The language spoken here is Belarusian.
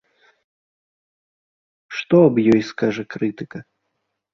Што аб ёй скажа крытыка?